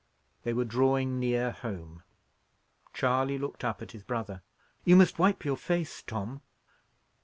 They were drawing near home. Charley looked up at his brother. "You must wipe your face, Tom."